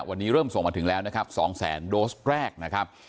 วันนี้เริ่มส่งมาถึงแล้วนะครับ๒แสนโดสแรกนะครับ